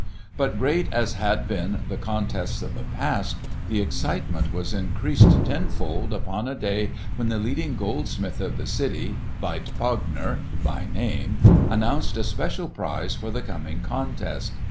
But great as had been the contests of the past, the excitement was increased tenfold upon a day when the leading goldsmith of the city, Veit Pogner by name, announced a special prize for the coming contest.